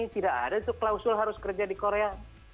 tidak ada itu klausul harus kerja di korea